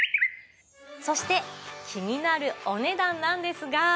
そして気になるお値段なんですが。